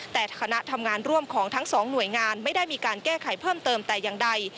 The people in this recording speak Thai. แต่คณะทำงานร่วมของทั้งสองหน่วยงานไม่ได้มีการแก้ไขเพิ่มเติมแต่อย่างใด